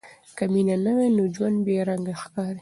که مینه نه وي، نو ژوند بې رنګه ښکاري.